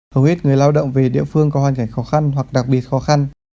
hầu hết người lao động về địa phương có hoàn cảnh khó khăn hoặc đặc biệt khó khăn